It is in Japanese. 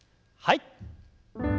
はい。